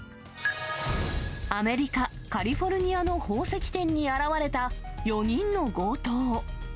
アメリカ・カリフォルニアの宝石店に現れた４人の強盗。